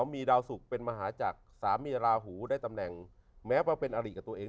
มีดาวสุกเป็นมหาจักรสามีราหูได้ตำแหน่งแม้ว่าเป็นอริกับตัวเอง